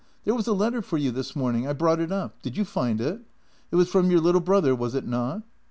There was a letter for you this morning. I brought it up. Did you find it? It was from your little brother, was it not?